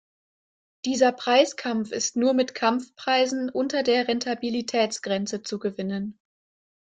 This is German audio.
Dieser Preiskampf ist nur mit Kampfpreisen unter der Rentabilitätsgrenze zu gewinnen.